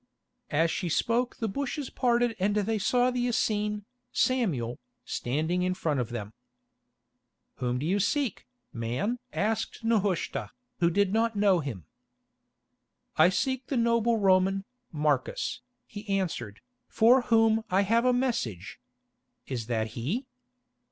As she spoke the bushes parted and they saw the Essene, Samuel, standing in front of them. "Whom do you seek, man?" asked Nehushta, who did not know him. "I seek the noble Roman, Marcus," he answered, "for whom I have a message. Is that he?"